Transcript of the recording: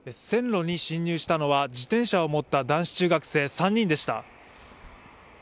線路に進入したのは自転車を持った男子中学生３人でした。